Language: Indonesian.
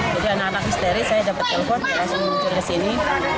jadi anak anak misteris saya dapat telepon dia langsung muncul ke sini